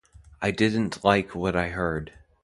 I didn't like what I heard.